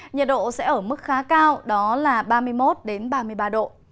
nhiệt độ sẽ ở mức khá cao đó là ba mươi một ba mươi ba độ